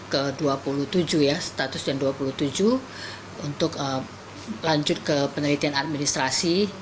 ke dua puluh tujuh ya status dan dua puluh tujuh untuk lanjut ke penelitian administrasi